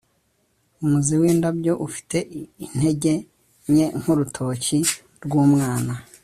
umuzi windabyo ufite intege nke nkurutoki rwumwana